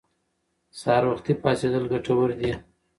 سهار وختي پاڅېدل ګټور دي.